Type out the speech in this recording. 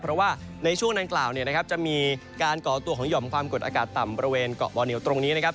เพราะว่าในช่วงดังกล่าวเนี่ยนะครับจะมีการก่อตัวของหย่อมความกดอากาศต่ำบริเวณเกาะบอเหนียวตรงนี้นะครับ